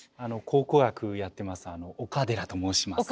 考古学やってます岡寺と申します。